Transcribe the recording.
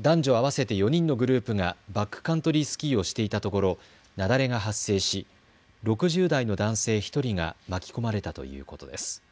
男女合わせて４人のグループがバックカントリースキーをしていたところ雪崩が発生し６０代の男性１人が巻き込まれたということです。